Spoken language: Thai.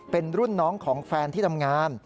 เป็นรุ่นน้องของแฟนที่ทำงาน